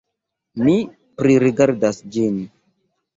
Mi pririgardas ĝin.